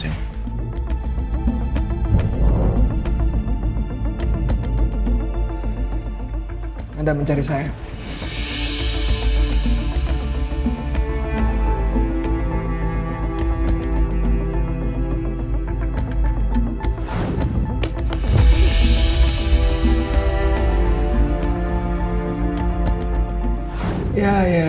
saya boleh ajak om and callamwon sobi book sesembilan person syarla hat implement besar